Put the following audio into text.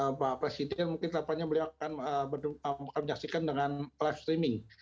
bapak presiden mungkin dapatnya beliau akan menyaksikan dengan live streaming